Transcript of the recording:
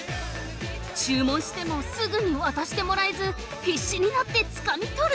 ◆注文してもすぐに渡してもらえず必死になってつかみ取る。